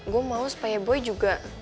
gue mau supaya gue juga